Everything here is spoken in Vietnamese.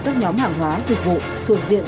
các nhóm hàng hóa dịch vụ thuộc diện